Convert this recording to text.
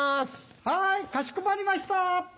はいかしこまりました。